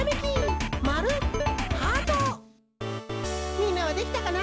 みんなはできたかな？